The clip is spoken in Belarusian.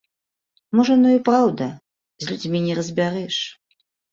Можа яно і праўда, з людзьмі не разбярэш.